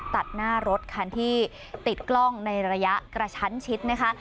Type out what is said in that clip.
ตัดหน้ารถคันที่ติดกล้องในระยะกระชั้นชิดนะคะ